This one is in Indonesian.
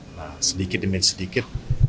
nah sedikit demi sedikit